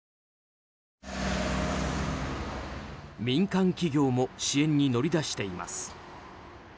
民間企業も支援に乗り出しています。